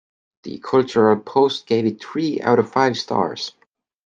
The Cultural Post gave it three out of five stars.